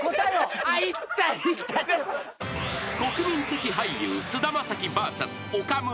［国民的俳優菅田将暉ＶＳ岡村］